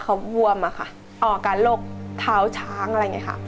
เขาบวมอะค่ะออกอาการโรคเท้าช้างอะไรอย่างนี้ค่ะ